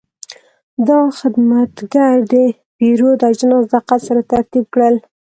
دا خدمتګر د پیرود اجناس دقت سره ترتیب کړل.